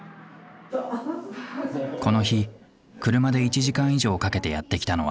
この日車で１時間以上かけてやって来たのはある夫婦。